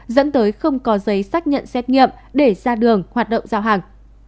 dẫn tới không có giấy xác nhận xét nghiệm để ra đường hoạt động giao hàng